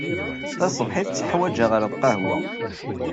Tasebḥit, ttaḥwaǧeɣ ar lqahwa.